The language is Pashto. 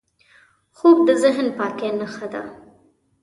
خوب د ذهن پاکۍ نښه ده